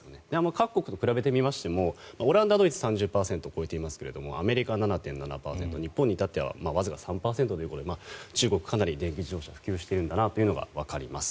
各国と比べてみましてもオランダ、ドイツは３０％を超えていますがアメリカ、７．７％日本に至ってはわずか３％ということで中国かなり電気自動車が普及してるんだなというのがわかります。